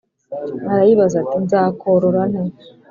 arayibaza ati ‘nzakorora nte?’”